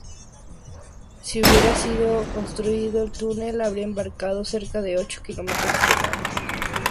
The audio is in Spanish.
Si hubiera sido construido, el túnel habría embarcado cerca de ocho kilómetros de largo.